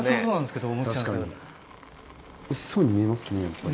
おいしそうに見えますねやっぱり。